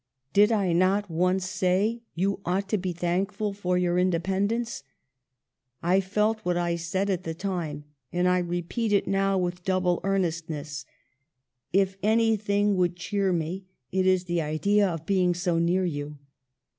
Did I not once say you ought to be thankful for your independence ? I felt what I said at the time, and I repeat it now with double earnestness ; if anything would cheer me it is the idea of being so near you.